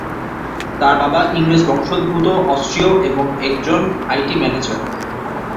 তার বাবা ইংরেজ বংশদ্ভূত অস্ট্রলীয় এবং একজন আইটি ম্যানেজার।